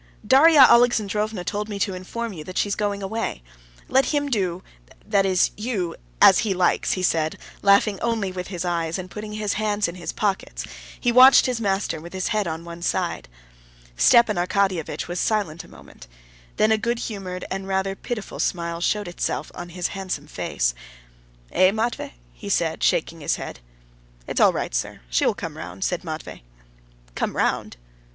"Darya Alexandrovna told me to inform you that she is going away. Let him do—that is you—as he likes," he said, laughing only with his eyes, and putting his hands in his pockets, he watched his master with his head on one side. Stepan Arkadyevitch was silent a minute. Then a good humored and rather pitiful smile showed itself on his handsome face. "Eh, Matvey?" he said, shaking his head. "It's all right, sir; she will come round," said Matvey. "Come round?"